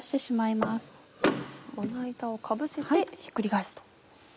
まな板をかぶせてひっくり返すと。